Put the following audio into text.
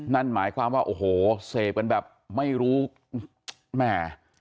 นั่นหมายความว่าโอ้โหเสพกันแบบไม่รู้แหม่